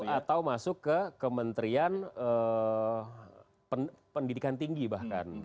atau masuk ke kementerian pendidikan tinggi bahkan